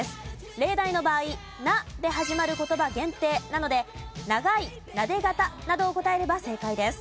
例題の場合「な」で始まる言葉限定なので長いなで肩などを答えれば正解です。